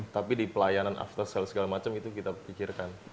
tapi di pelayanan after sales segala macem itu kita pikirkan